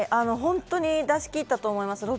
本当に出し切ったと思います。